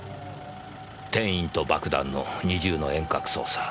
店員と爆弾の二重の遠隔操作。